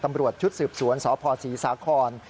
ตำรวจชุดสืบสวนสพศรีสาคร